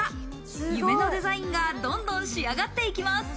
夢のデザインがどんどん仕上がっていきます。